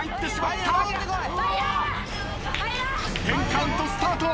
１０カウントスタート。